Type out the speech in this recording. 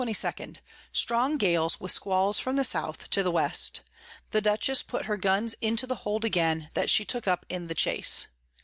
_ Strong Gales, with Squalls from the South to the West. The Dutchess put her Guns into the Hold again, that she took up in the Chase.